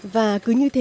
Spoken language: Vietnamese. và cứ như thế